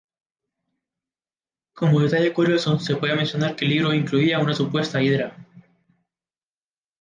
Como detalle curioso se puede mencionar que el libro incluía una supuesta hidra.